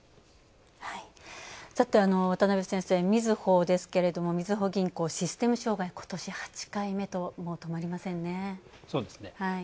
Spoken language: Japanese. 渡辺先生、みずほですけれどもみずほ銀行、システム障害、ことし８回目と、もう止まりませんね。